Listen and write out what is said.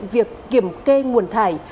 việc kiểm kê nguồn thải